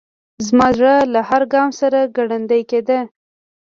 زما زړه له هر ګام سره ګړندی کېده.